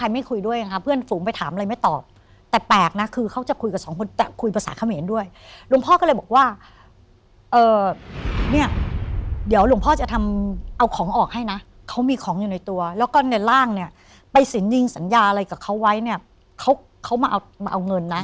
เดี๋ยวหลวงพ่อจะทำเอาของออกให้นะเขามีของอยู่ในตัวแล้วก็ในร่างเนี่ยไปสินยิงสัญญาอะไรกับเขาไว้เนี่ยเขาเขามาเอามาเอาเงินนะ